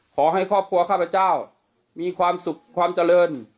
ขอให้ครอบครัวข้าพเจ้ามีความสุขความเจริญ